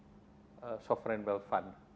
akan masuk melalui sovereign wealth fund